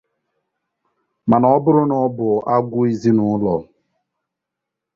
mana ọ bụrụ na ọ bụ agwụ ezịnụlọ